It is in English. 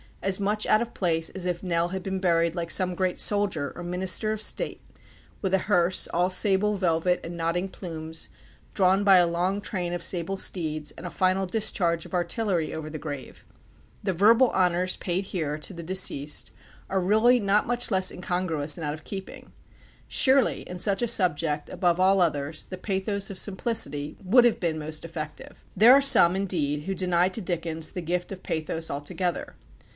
as much out of place as if Nell had been buried like some great soldier or minister of state with a hearse, all sable velvet and nodding plumes, drawn by a long train of sable steeds, and a final discharge of artillery over the grave. The verbal honours paid here to the deceased are really not much less incongruous and out of keeping. Surely in such a subject, above all others, the pathos of simplicity would have been most effective. There are some, indeed, who deny to Dickens the gift of pathos altogether.